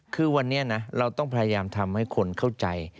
คือวันนี้นะเราต้องพยายามทำให้คนเข้าใจ